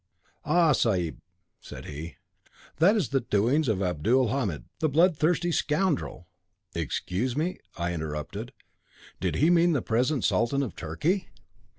'Ah! sahib,' said he, 'that is the doings of Abdulhamid, the blood thirsty scoundrel!'" "Excuse me," I interrupted. "Did he mean the present Sultan of Turkey?"